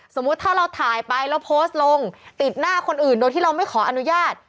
สมมุติถ้าเราถ่ายไปแล้วโพสต์ลงติดหน้าคนอื่นโดยที่เราไม่ขออนุญาต